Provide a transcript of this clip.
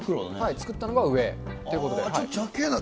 作ったのが上ということで。